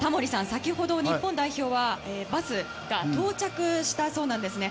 先ほど、日本代表はバスが到着したそうなんですね。